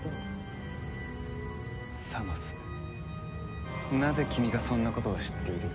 サマスなぜ君がそんなことを知っている？